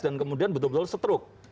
dan kemudian betul betul setruk